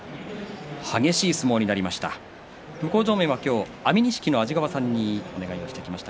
激しい相撲になりました。